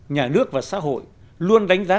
nhà nước và xã hội luôn đánh giá